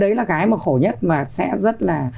đấy là cái mà khổ nhất mà sẽ rất là